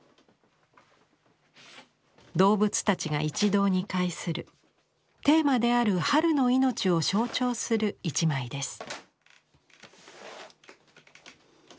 動物たちが一堂に会するテーマである「春の命」を象徴する１枚です。